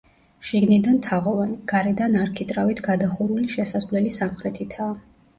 შიგნიდან თაღოვანი, გარედან არქიტრავით გადახურული შესასვლელი სამხრეთითაა.